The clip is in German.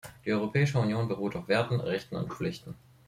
Die Europäische Union beruht auf Werten, Rechten und Pflichten.